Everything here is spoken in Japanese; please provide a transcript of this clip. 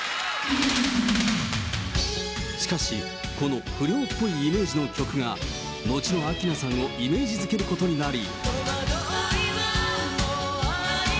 しかし、この不良っぽいイメージの曲が、のちの明菜さんをイメージづけることになり。